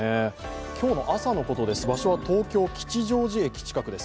今日の朝のことです、場所は東京・吉祥寺駅の近くです。